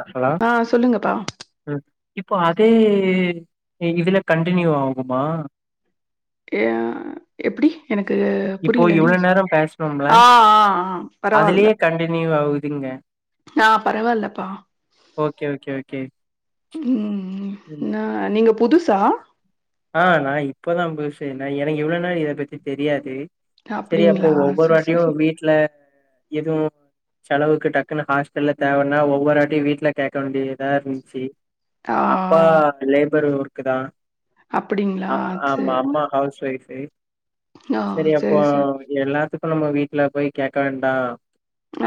ஆக்சுவலா ஆ சொல்லுங்கப்பா. ம் இப்போ அதே இதுல கன்னிடிநியூ ஆகுமா ஏ எப்டி எனக்கு இப்போ புரியல இவ்ளோ நீங்க சொல் நேரோ பேசனோம்ல அ ஆ ஆ பரவால்ல அதுலயே கண்டினியூ ஆகுதுங்க ஆ பரவாயில்லப்பா ஓகே ஓகே ஓகே ம் ம் நா ஆ நீங்க புதுசா ஆ நா இப்பதா புதுசு நா எனக்கு இவ்ளோ நாள் இத பத்தி தெரியாது சரி அப்போ அப்படிங்களா? ஒவ்வொரு சரி, வாட்டியு சரி. வீட்ல எதுவு செலவுக்கு டக்குன்ன ஹாஸ்டல்ல தேவன்னா ஒவ்வொரு ஆட்டயும் வீட்ல கேட்க வேண்டியதா இருந்துச்சு ஆ அப்பா லேபரூ ஒர்க்கு தா அப்படிங்களா? ஆ ஆம்மா சரி. அம்மா ஹவுஸ் வைஃபே ஆ சரி அப்போ சரி. எல்லாத்துக்கு நம்ம வீட்டுல போய் கேக்க வேண்டா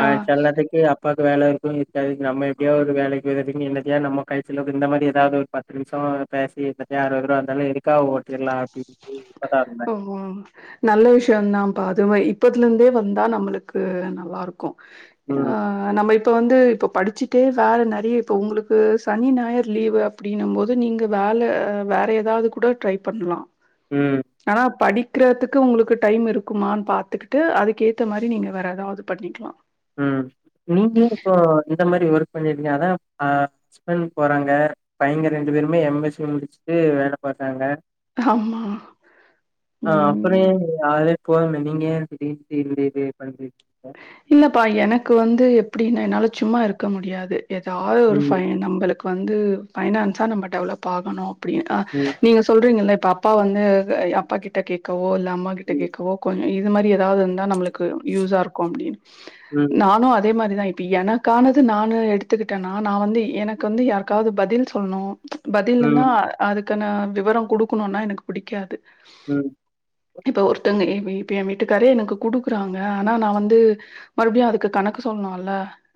ஆ செல நேத்திக்கு அப்பாக்கு வேல இருக்கு [unintelligible] நம்ம எப்டியாவது ஒரு வேலக்கு [unintelligible] என்னத்திய்வது நம்ம கைசெலவுக்கு இந்த மாரி ஏதாவது ஒரு பத்து நிமிஷ பேசி [unintelligible] இருந்தாலு எதுக்கா ஓட்டிடலா அப்டின்னு இருந்தே ஓ நல்ல விஷயம்தாப்பா அதுவே இப்பதுல இருந்தே வந்தா நம்மளுக்கு நல்லா இரு க்கு ம், அ நம்ம இப்ப வந்து இப்போ படிச்சிட்டே வேற நெறைய இப்ப உங்களுக்கு சனி நாயர் லீவ் அப் டின போது நீங்க வேல வேற எதாவது கூட ட்ரை பண்லா ம் ஆனா படிக்கிறதுக்கு உங்களுக்கு டைம் இருக்குமான்னு பாத்துக்கிட்டு அதுக்கு ஏத்த மாதிரி நீங்க வேற ஏதாவது பண்ணிக்கலா ம் நீங்க இப்போ இந்த மாரி ஒர்க் பண்ணிட்ருங்க அதா இப்ப ஹஸ்பண்ட் போறாங்க பையங்க ரெண்டு பேருமே எம் எஸ் சி முடிச்சுட்டு வேல பாக்குறாங்க ஆமா ஆ அப்பறோ ம் ஏ [unintelligible] போகாம நீங்க திடீர்னு [unintelligible] இல்லப்பா எனக்கு வந்து எப்டின்னா என்னால சும்மா இருக்க முடியாது எதாவது ஒரு ஃபை ம், நம்பளுக்கு வந்து பைனான்ஸா நம்ம டெவலப் ஆகணு அப்படினா ம், நீங்க சொல்றீங்கல்ல இப்ப அப்பா வந்து அப்பா கிட்ட கேட்கவோ இல்ல அம்மா கிட்ட ம், கேட்கவோ கொஞ் இது மாரி ஏதாவது இருந்தா நம்மளுக்கு யூஸ்ஸா இருக்கு அப்படின்னு ம், நானு அதே மாரிதா ப எனக்கானது நானு எடுத்துக்கிட்டேன்னா நா வந்து எனக்கு வந்து யாருக்காவது பதில் சொல்ணு பதில்ன்னா ம், அதுக்கான விவர குடுக்கணுனா எனக்கு பிடிக்காது ம் இப்ப ஒருத்தங்க இப்ப எ வீட்டுக்காரு எனக்கு குடுக்குறாங்க ஆனா நா வந் து மறுடியு அதுக்கு கணக்கு சொல்லணுல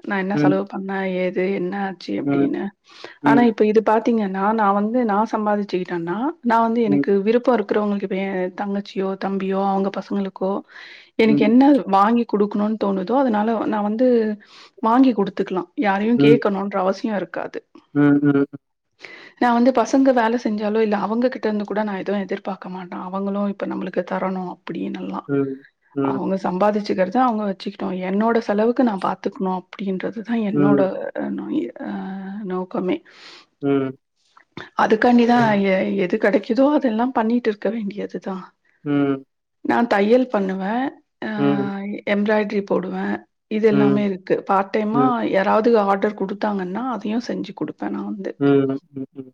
நா என்ன செலவு ம், பண்ணே ஏது என்ன சு ம், அப்டினு ஆனா ம், இப்ப இது பாத்தீங்கன்னா நா வந்து நா சம்பாதிச்சுக்கிட்டன்னா நா வந்து ம், எனக்கு விருப்ப இருக்கிறவங்களுக்கு இப்ப யெ தங்கச்சியோ தம்பியோ அவங்க பசங்களுக்கோ எனக்கு ம். என்ன வாங்கி குடுக்கணுனு தோணுதோ அதனால நா வந்து வாங்கி குடுத்துக்கலா யாரையு ம், கேக்கணுன்ற அவசிய இருக்காது ம் ம் நா வந்து பசங்க வேல செஞ்சாலோ இல்ல அவங்க கிட்ட இருந்து கூட நா எதுவு எதிர்பாக்க மாட்ட அவங்களு ப நம்மளுக்கு தரணு அப்புடினு எல்லா ம், ம், அவுங்க சம்பாதிச்சுக்கிறத அவங்க வச்சுக்கிட்டு என்னோட செலவு கு நா பாத்துக்கணு அப்படின்றதுதா என்னோட ம், ஆ நோக்கமே ம் அதுக்காண்டிதா எ எது கெடைக்குதோ அதெல்லா பண்ணிட்டு இருக்க வேண்டியதுதா ம் நா தையல் பண்ணுவே ம் எம்ப்ராய்டரி போடுவே இது எல்லாமே ம், இருக்கு பார்ட் டைமா ம், எ தாவது ஆர்டர் குடுத்தாங்கன்னா அதையு செஞ்சு கொடுப்பே நா வந்து ம் ம் ம்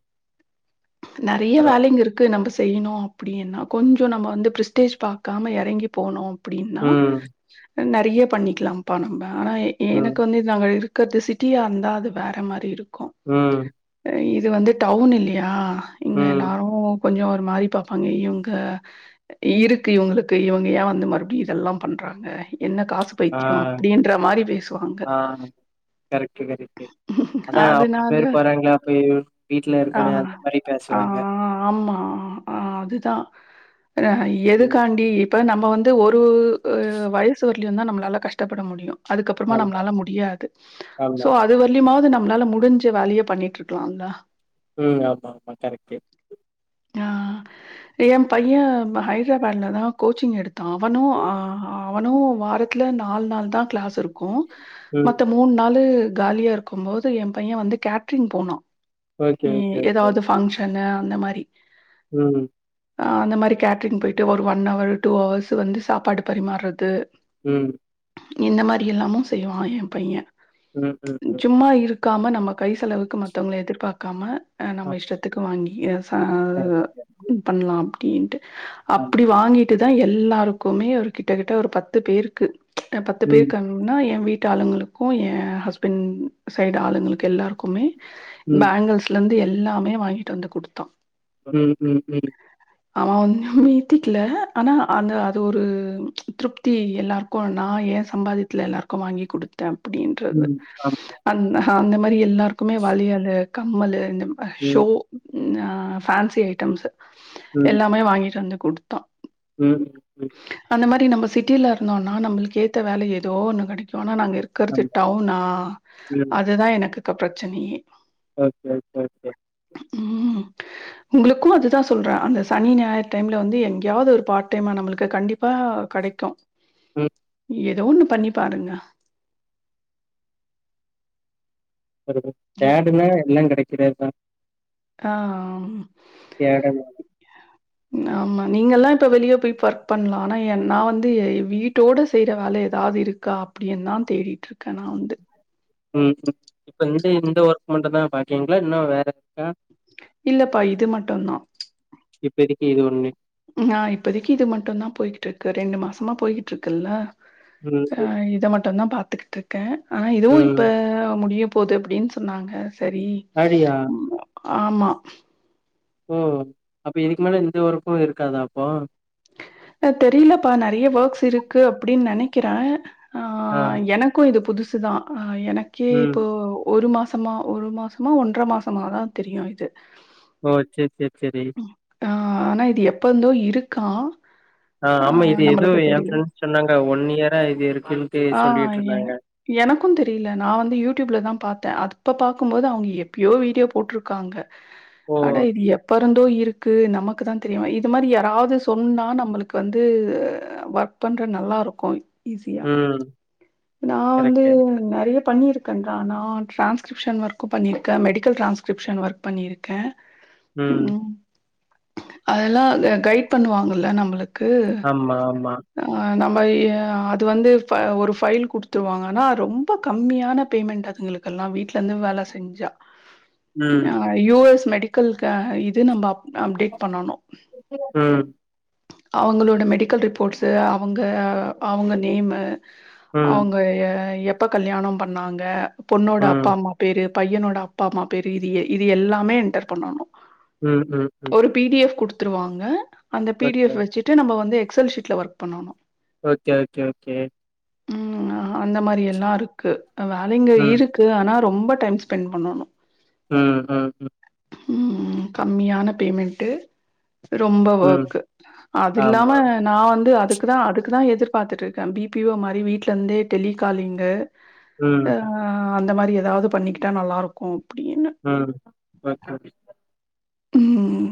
நெறைய பரவால்ல. வேலைங்க இரு கு நம்ப செய்யணு அப்டின்னா கொஞ்சோ நம்ம வந்து பிரிஸ்டேஜ் பாக்காம இறங்கி போனு அப்படின்னா ம், நெறைய பண்ணிக்கலா பணம் ஆனா ம், எனக்கு வந்து நாங்க இருக்குறது சிட்டியா இருந்தா அது வேற மாரி இருக்கு ம் அ இது வந்து டவுன் இல்லையா இங்க ம். எல்லாரு கொஞ்சோ ஒரு மாரி பாப்பாங்க இவுங்க இருக்கு இவுங்களுக்கு இவுங்க ஏ வந்து மறுபடியு இதெல்லா பண் றாங்க என்ன காசு ஆ, பைத்தியோ அப்டின்ற மாரி பேசுவாங்க கரெக்டு கரெக்டு அதா அவ்வளவு அதனால பேர் போறாங்களா போய் வீட்டுல இருக்கனு ஆ. அந்த மாரி ஆ பேசுவாங்க ஆமா. ஆ அதுதா அ ம். எதுக்காண்டி இப்ப நம்ம வந்து ஒரூ வயசு வரலயு தா நம்மளால கஷ்டபட முடியு அதுக்கப்புறமா ஆமா, நம்மளால முடியாது சோ ஆமா. அ து வர்லியமாவது நம்ளால முடிஞ்ச வேலய பண்ணிட்டு இருக்கலாம்ல ம் ஆமா ஆமா கரெக்டு ஆ ஏ பைய ம ஹை த்ராபேட்ல தா கோச்சிங் எடுத்தா அவனு அ அவனு வாரத்துல நாலு நாள் தா க்ளாஸ் இருக்கு ம். மத்த மூண் நாலு காலியா இருக்கு போது எ பைய வந்து கேட்ரிங் போனா ஓகே, ம் ஓகே, ஓகே. ஏதாவது ஃபங்க்ஷனு அந்த மாரி ம் ஆ அந்த மாரி கேட்ரிங் போயிட்டு ஒரு ஒன் ஹர் டூ ஹவர்ஸ் வந்து சாப்பாடு பரிமார்றது ம் இந்த மாரி எல்லாமு செய்வா ஏ பையே ம் ம் ம். சும்மா இருக்காம நம்ம கை செலவுக்கு மத்தவங்கள எதிர்பாக்காம அ ஆமா. நம்ம இஷ்டத்துக்கு வாங்கி ஆ கரெக்ட், கரெக்ட். பண்லா அப்டின்ட்டு ஆமா. அப்டி வாங்கிட் ட்டுதா எல்லாருக்குமே ஒரு கிட்ட கிட்ட ஒரு பத்து பேருக்கு அ பத்து ம், பேருக்கு ன்னா ஏ வீட்டு ஆளுங்களுக்கு ஏன் ஹஸ்பண்ட் சைடு ஆளுங்களுக்கு எல்லாருக்குமே ம், பேங்கிள்ஸ்லேந்து எல்லாமே வாங்கிட்டு வந்து குடுத்தா ம் ம் ம் அவே வந்து மிதி கல ஆனா அந்த அது ஒரு திருப்தி எல்லாருக்கு நா ஏ சம்பாதித்துல எல்லாருக்கு வாங்கி குடுத்தே அப்டின்றது ம். ஆமா. அந் அந்த மாரி எல்லாருக்குமே வளயளு கம்மலு இந்த ம், ஷோ அ ஃபேன்சி ஐட்டம்ஸ்சு ம். எல்லாமே வாங்கிட்டு வந்து குடுத்தா ம் ம். அந்த மாரி நம்ப சிட்டில இருந்தோனா நம்ளுக்கு ஏத்த வேல எதோ ஒன்னு கெடைக்கு ஆனா நாங்க இருக் க்கறது ஆமா. டவுனா ம். அதுதா எனக்குக்க பிரச்சனயே ஓகே ஓகே ஓகே ம் உங்குளுக்கு அதுதா சொல்றே அந்த சனி ஞாயிறு டைம்ல வந்து எங்கயாது ஒரு பார்ட் டைமா நம்புளுக்கு கண்டிப் ப்பா கெடைக்கு ம் எதோ ஒன்னு பண்ணி பாருங்க [inaudible] தேடுனா எல்லா கெடைக்குறதுதா ஆ தேடனு நாமா நீங்கலா இப்ப வெளிய போய் பர்க் பண்லா ஆனா என் நா வந்து வீட்டோட செய்ற வேல எதாவது இருக் கா அப்டிந் தா தேடிட்ருக்கே நா வந்து ம் ம் இப்ப இந்த இந்த ஒர்க் மட்டு தா பாக்கீங்ளா இன்னு வேற இருக்கா இல்லப்பா இது மட்டுந்தா இப்பெதிக்கி இது ஒன்னு ம் ஆ இப்பதக்கி இது மட்டுந்தா போய்கிட்ருக்கு ரெண்டு மாசமா போய்கிட்ருக்கல்ல ம், ஆ ம், இத மட்டுந்தா பாத்துக்கிட்ருக்கே ஆனா இதுவு ம். இப்ப முடிய போது அப்டின் சொன்னாங்க சரி அடியா ம். ஆமா ஓ அப்ப இதுக்கு மேல இந்த ஒர்க்கு இருக்காதா அப்போ அ தெரிலப்பா நெறய வோர்க்ஸ் இருக்கு அப்டின் நெனக்குறே ஆ ஆ எனக்கு இது புதுசு தா அ எனக்கே ம். இப்போ ஒரு மாசமா ஒரு மாசமா ஒன்ற மாசமாதா தெரியு இது ஓ செரி செரி செரி அ ஆனா இது எப்பந்தோ இருக்கா அ ஆமா இது எதோ ஏ ஃப்ரெண்ஸ் சொன்னாங்க ஒன் இயரா இது இருக்குன் ஆ என் எனக்கூ தெரிய்ல நா வந்து யூடியூப்ல தா பாத்தெ அத் அப்ப பாக்கும்மோது அவுங்க எப்பியோ வீடியோ போட்ருக்காங்க ஓ! அட இது எப் பருந்தோ இருக்கு நம்மக்கு தா தெரியு இது மாரி யாராவ்து சொன்னா நம்பளுக்கு வந்து ஒர்க் பண்ற நல்லாருக்கோ ஈஸி ம் நா வந்து கரெக்ட்டு. நறிய பண்ணியிருக்கன்டா நா ட்ரான்ஸ்கிரிப்ஷன் ஒர்க்கு பண்ணியிருக்க மெடிக்கல் ட்ரான்ஸ்கிரிப்ஷன் ஒர்க் பண்ணியிருக்க ம் அதுல்லா கைட் பண்ணுவாங்கல்ல நம்புளுக்கு ஆமா, ஆமா. அ நம்ம எ அது வந்து அ ஒரு ஃபைல் குடுத்துருவாங்கனா ரொம்ப கம்மியான பேமெண்ட் அதுங்களுக்கெல்லா வீட்லந்து வேல செஞ்சா ம் அ யு எஸ் மெடிக்கல் க இது நம்ம அப் அப்டேட் பண்ணணு ம் அவுங்களோட மெடிக்கல் ரிப்போர்ட்ஸு அவுங்க அ அவுங்க நேம்மு ம். அவுங்க எ எப்ப கல்யாணொம் பண்ணாங்க பொண்ணோட ம். அப்பா அம்மா பேரு பையனோட அப்பா அம்மா பேரு இது இய இது எல்லாமே என்டர் பண்ணனு ம் ம் ம் பி டி எஃப் குடுத்துருவாங்க அந்த பி டி ஓகே. எஃப் வச்சிட்டு நம்ம வந்து எக்ஸ் எல் ஷீட்ல ஒர்க் பண்ணனு ஓக்கே ஓக்கே ஓக்கே ம் அந்த மாரி எல்லாருக்கு வேலைங்க ம், இருக்கு ஆனா ரொம்ப டைம் ஸ்பெண் பண்ணனு ம் ம் ம் ம் கம்மியான பேமெண்ட்டு ரொம்ப ம். வொக்கு அது இல்லாம ஆமா. நா வந்து அதுக்குதா அதுக்குதா எதிர்பார்த்திட்ருக்க பி பீ வோ மாரி வீட்ல இந்தே டெலிகாலிங்கு ம், அ அ அந்த மாரி ஏதாவ்து பண்ணிக்கிட்டா நல்லாருக்கு அப்டின்னு ம் ஓக்கே ம்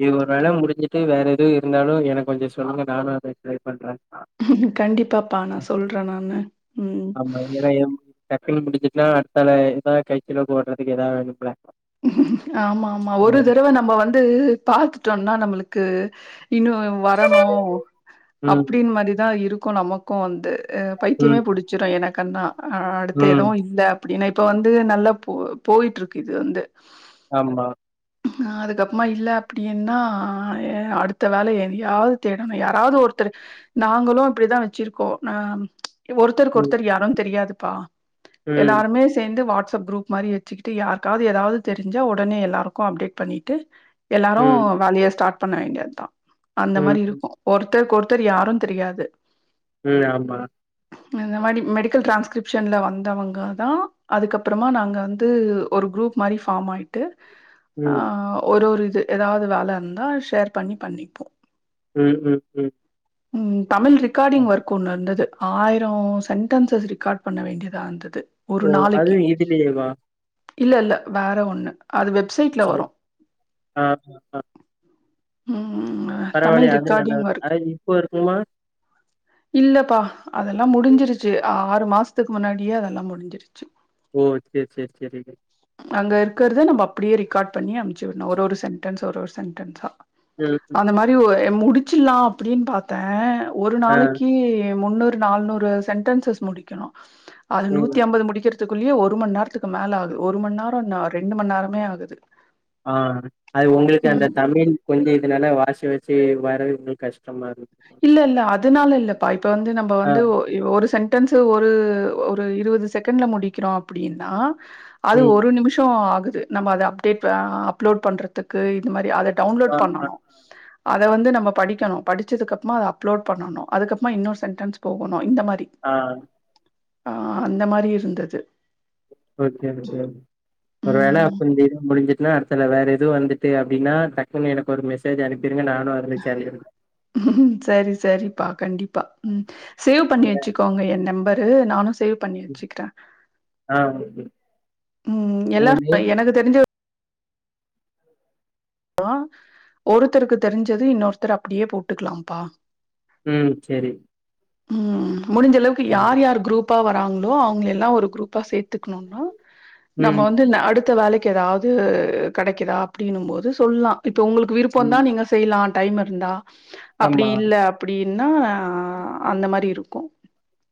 இது ஒரு வேள முடிஞ்சுட்டு வேற எதுவு இருந்தாலு எனக்கு கொஞ்சொ சொல்லுங்க நானு அத ட்ரை பண்ற கண்டிப்பா பா நா சொல்ற நான்னு அம்மா எந்தடைரம் டப்பிங் முடிஞ்சிட்ன்னா அடுத்தால இப்ப கயித்துல போட்றதுக்கு ஏதாவது வேணும்ல ஆம்மா ஆம்மா ஒரு தரவ ஆமா. நம்ப வந்து பாத்துட்டோன்னா நம்முளுக்கு இன்னு வரணு ம், அப்டின் மரிதா இருக்கு நமக்கூ வந்து அ ம், பைத்தியமே புடி ச்சுரு எனக்கன்னா அடுத்த ம். எதுவு இந்த புடின்னு இப்ப வந்து நல்ல போ போயிட்ருக்கு இது வந்து ஆம்மா நா அதுக்கப்பம்மா இல்ல அப்டின்னா எ அடுத்த வேலை எதையாவ்து தேடணு யாராவது ஒர்த்தர் நாங்களு அப்டிதா வச்சிருக்கோ நா ம் எ ஒருத்தருக்கு ம், ஒருத்தர் யாரும் தெரியாதுப்பா ம், எல்லாருமே சேந்து வாட்ஸ்அப் குரூ மாரி வச்சிக்கிட்டு யாருகாவ்து ஏதாவ்து தெரிஞ்சா உடனே எல்லாருக்கு அப்டேட் பண்ணிட்டு எல்லாரு ம், வேலைய ஸ்டார்ட் பண்ண வேண்டியத்தா அந்த ம், மாரி இருக்கு ஒருத்தர்க் ஒருத்தர் யாரு தெரியாது ம் ஆம்மா இந்த மாரி மெடிக்கல் ட்ரன்ஸ்கிரிப்ஷன்ல வந்தவங்கதா அதுக்கப்புறமா நாங்க வந்து ஒரு குரூப் மாரி ஃபாம் ஆய்ட்டு ஆ ம், ஒரு ஒரு இது எதாவ்து வேல இந்தா ஷேர் பண்ணி பண்ணிப்போ ம் ம் ம் ம் தமிழ் ரிக்காடிங் ஒர்க் ஒண்ணு இருந்துது ஆயிரோ சென்டன்சஸ் ரிக்காட் பண்ண வேண்டியதா இந்துது ஒரு ஓ! நாளைக்கி அதுவும் இதுலயேவா? இல்ல இல்ல வேற ஒண்ணு அது வெப்சைட்ல ஓ! வரு ஆ. ம் அ பரவால்லியே அது நல்லா அஆனா இப்போ இருக்குமா இல்லப்பா அதெல்லா முடிஞ்சிருச்சு ஆறு மாஸ்த்துக்கு முன்னாடியே அதெல்லா முடிஞ்சிருச்சு ஓ சேர் சேர் சேரிங்க அங்க இருக்கிறத நம்ம அப்படியே ரிக்காட் பண்ணி அம்ச்சு விட்ணு ஒரு ஒரு சென்டென்ஸ் ஒரு ஒரு சென்டென்ஸா ம் இந்த மாரி ஒ முடிச்சில்லா அப்படின் பாத்தே ஒரு ஆ, நாளைக்கி முன்னூ று நால்நூறு சென்டென்சஸ் முடிக்கணு அது ம். நூத்தி அம்பது முடிக்கிற த்துக்குள்ளியே ஒரு மண் நேரத்துக்கு மேல ஆகுது ஒரு மண் நேரோ என்னா ரெண்டு மண் நேரமே ஆகுது ஆ அது உங்களுக்கு அந்த ம் தமிழ் கொஞ்ச இதுனால வாஸ்ச்சி வாஸ்ச்சி வரது உங்களுக்கு கஷ்டமா இரு இல்ல இல்ல அதனால இல்லப்பா இப்ப வந்து நம்ம ஆ, வந்து ஒ ஒரு சென்டன்ஸு ஒரு ஒரு இருவது செக்கண்ட்ல முடிக்கிறோ அப்படினா அது ம். ஒரு நிமிஷோ ஆகுது நம்ம அத அப்டேட் அ அப்லோட் பண்றதுக்கு இந்த மாரி அத டவுன்லோட் ஆ, ஆ, பண்ணணு அத வந்து நம்ம படிக்கணு படி ச்சதுக்கு அப்மா அத அப்லோட் பண்ணணு அதுக்கப்புமா இன்னொரு சென்டென்ஸ் போகணு இந்த மாரி ஆ ஆ அந்த மாரி இருந்துது ஓகே [unintelligible] ஒரு வேல ம் அப்ப இந்த இது முடிஞ்சுட்டுனா அடுத்தால வேற எதுவு வந்துட்டு அப்டினா டக்குனு என க்கு ஒரு மெசேஜ் அனுப்பிருங்க நானு அதுல சேந்துகிருதே செரி செரிப்பா கண்டிப்பா ம் சேவ் பண்ணி ஏன்னா வெச்சுக்கோங்க எ நம்பரு நானு சேவ் பண்ணி ம். வெச்சக்கிறே ஆ ஓகே. ம் உங்க எல்லாரு நேம்? எனக்கு தெரிஞ்சு னா ஒருத்தருக்கு தெரிஞ்சது இன்னொருத்தர் அப்படியே போட்டுக்கலாம்பா ம் செரி ம் முடிஞ்ச அளவுக்கு யார் யாரு குரூப் எப்போ வராங்களோ அவுங்களெல்லா ஒரு குரூப்பா சேத்துக்கணுனா நம்ம ம், வந்து ந அடுத்த வேலைக் எதாவ்து கெடைக்கிதா அப்டினும்போது சொல்லா இப்ப உங்களுக்கு விருப்போ இந்தா ம். நீங்க செய்லா டைம் இருந்தா அப்படி ஆமா. இல்ல அப்படீனா அந்த மாரி இருக்கு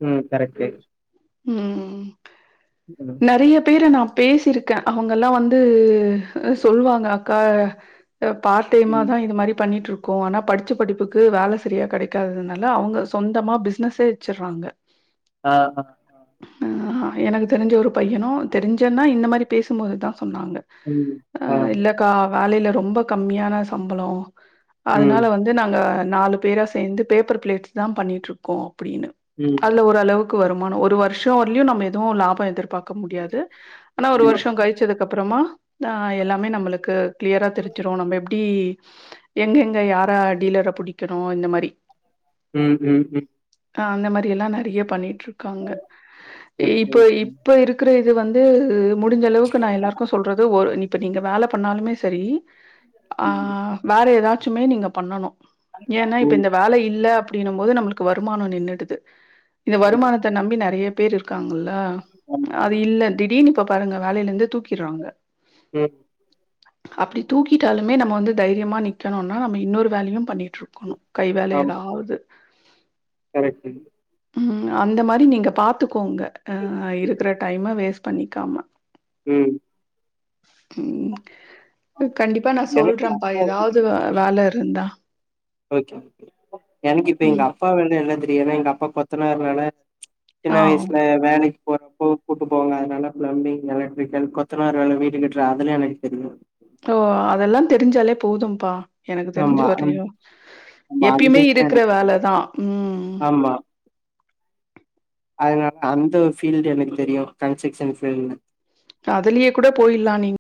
ம் கரெக்ட்டு ம் ம், நெறைய பேர நா பேசிருக்கே அவுங்கலா வந்து சொல்லுவாங்க அக்கா அபார்ட் ம். டைமாதா இது மாரி பண்ணிட்டுருக் கோ ஆனா படிச்ச படிப்புக்கு வேல செரியா கெடைக்காததுனால அவுங்க சொந்தமா பிஸ்னஸ்ஸே வெச்சுற்றாங்க ஆ அ எனக்கு தெரிஞ்ச ஒரு பையனு தெரிஞ்சன்னா இந்த மாரி பேசும்போதுதா சொன்னாங்க ம். அ ஆ. இல்லக்கா வேலயில ரொம்ப கம்மியான சம்பளோ ம். அதனால வந் து நாங்க நாலு பேரா சேந்து பேப்பர் ப்ளேட்ஸ்தா பண்ணிட்ருக்கோ அப்படினு ம் ஒரு அளவுக்கு வருமானோ ஒரு வருஷோ வரலயு நம்ம எதுவு லாபோ எதிர்பார்க் க்க முடியாது ஆனா ஒரு ம். வருஷோ கழிச்சதுக்கு அப்புறமா ஆ எல்லாமே நம்மளுக்கு கிளியரா தெரிஞ்சிரு நம்ம எப்டி எங்க எங்க யாரா டீலர புடிக்கணு இந்த மாரி ம் ம் ம் அ அந்த மாரியல்லா நெறையா பண்ணிட்டு இருக்கோங்க ஓகே, இப்ப ஓகே. இப்ப இருக்கிற இது வந்து முடிஞ்ச அளவுக்கு நா எல்லாருக்கு சொல்றது ஒரு இப்ப நீங்க வேல பண்ணாலுமே சரி ஆ ம். வேற ஏதாச்சுமே நீங்க பண்ணணு ஏன்னா இப்ப ம். இந்த வேல இல்ல அப்படினும் போது நம்மளுக்கு வருமானம் நின்னுடுது இந்த ம். வருமானத்த நம்பி நறையா பேர் இருக்காங்கிள்ள ஆமா. அது இல்ல திடீருனு இப்ப பாருங்க வேலையில இருந்து தூக்கிடுறாங்க உம் அப்படி தூக்கிட்டாலுமே நம்ம வந்து தைரியமா நிக்கணும்னா நம்ம இன்னொரு வேலையு பண்ணிட்டு இருக்கணு கை வேல ஆமா. எதாவது கரெக்ட்டு உம் அந்த மாரி நீங்க பாத்துக்கோங்க அ இருக்கிற டைம்மா வேஸ்ட் பண்ணிக்காம உம் உம் கண்டிப்பா நா எனக்கு சொல்றேன்ப்பா அப்போ ஏதாவது வேல இருந்தா ஓக்கே எனக்கு இப்போ எங் ம். அப்பா வேல எல்லா தெரியு ஏன்னா எங்க அப்பா கொத்தனார்னால ஆ. சின்ன வயசுல வேலைக்கு போறப்போ கூப்பட்டு போவாங்க அதனால பிளம்பிங் எலக்ட்ரிக்கல் கொத்தனார் வேல வீட்டு கட்டுர அதுல எனக்கு தெரியு ஓ அதெல்லா தெரிஞ்சாலே போதும்பா எனக்கு தெரிஞ்ச ஆமா. அந் வரையு ஆமா. அந்த எப்பயுமே இதுலாம் இருக்கிற எனக்கு தெரியும். வேலைதா உம் ஆமா. அதனால அந்த ஃபீல்டு எனக்கு தெரியு கன்ஸ்ட்ரக்ஷன் ஃபீல்டுன்னு அதுலயே கூட போயிடுலா நீங்க